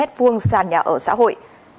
sàn nhà ở xã hội